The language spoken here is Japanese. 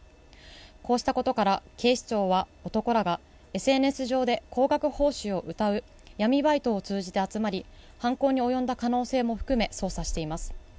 こうしたことから警視庁は男らがＳＮＳ上で高額報酬をうたう闇バイトを通じて集まり犯行に及んだ可能性も含め捜査しています。